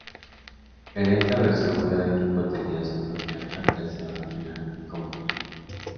En esta versión cada equipo tenía su propia habitación en la cual competían.